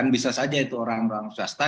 bisa saja itu orang orang swasta